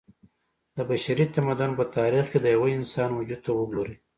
د بشري تمدن په تاريخ کې د يوه انسان وجود ته وګورئ